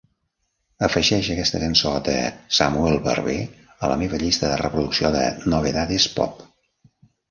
Afegeix aquesta cançó de Samuel Barber a la meva llista de reproducció de Novedades Pop.